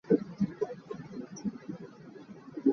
No, he said; over for good.